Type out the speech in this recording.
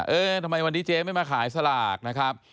เออทำไมวันนี้เจ๊ไม่มาขายสลากนะครับ